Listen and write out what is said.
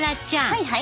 はいはい。